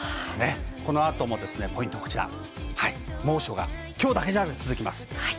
この後のポイントは猛暑が今日だけじゃなく続きます。